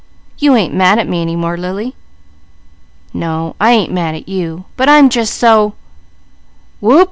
You ain't mad at me any more, Lily?" "No, I ain't mad at you, but I'm just so " "Wope!